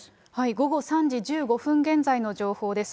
午後３時１５分現在の情報です。